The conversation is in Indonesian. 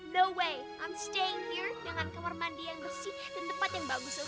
no way i'm staying here dengan kamar mandi yang bersih dan tempat yang bagus oke